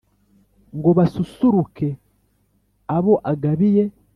ngo basusuruke abo agabiye